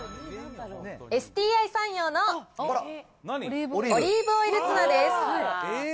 ＳＴＩサンヨーのオリーブオイルツナです。